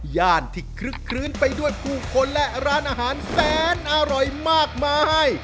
ย่านที่คลึกคลื้นไปด้วยผู้คนและร้านอาหารแสนอร่อยมากมาย